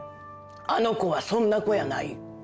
あの子はそんな子やない。